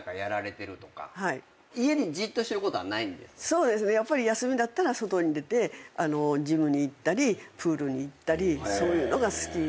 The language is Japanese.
そうですねやっぱり休みだったら外に出てジムに行ったりプールに行ったりそういうのが好きですし。